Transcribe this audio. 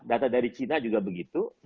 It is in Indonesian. data dari cina juga begitu